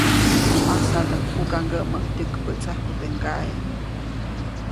Masandäjkʼukaŋgäʼmäʼuŋ tyäkpätsajku teʼ ŋgaʼe.